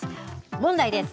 問題です。